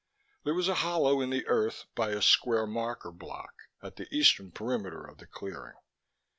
There was a hollow in the earth by a square marker block at the eastern perimeter of the clearing.